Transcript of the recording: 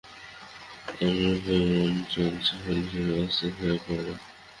অনুরূপভাবে মন চঞ্চল হইলে শরীরও অস্থির হইয়া পড়ে।